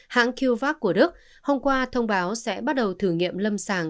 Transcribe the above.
hãng qvac của đức hôm qua thông báo sẽ bắt đầu thử nghiệm lâm sàng